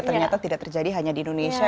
ternyata tidak terjadi hanya di indonesia